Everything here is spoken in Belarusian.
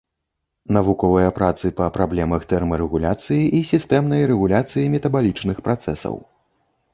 Навуковыя працы па праблемах тэрмарэгуляцыі і сістэмнай рэгуляцыі метабалічных працэсаў.